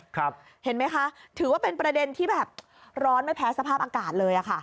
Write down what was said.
เห็นไหมคะถือว่าเป็นประเด็นที่แบบร้อนไม่แพ้สภาพอากาศเลยอ่ะค่ะ